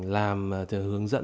làm hướng dẫn